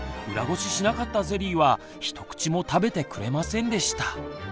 裏ごししなかったゼリーはひと口も食べてくれませんでした。